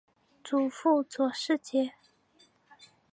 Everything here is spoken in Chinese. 祖父左世杰。